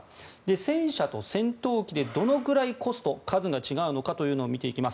戦車と戦闘機でどのくらいコスト、数が違うのか見ていきます。